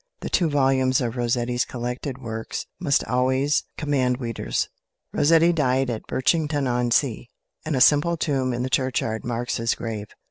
The two volumes of Rossetti's collected works must always command readers. Rossetti died at Birchington on Sea, and a simple tomb in the churchyard marks his grave.